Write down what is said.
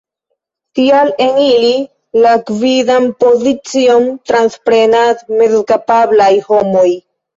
Tial en ili la gvidan pozicion transprenas mezkapablaj homoj.